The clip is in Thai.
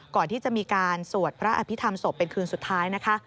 ก่อนที่จะมีการสวดพระอภิษฐรรมศพเป็นคืนสุดท้ายนะคะ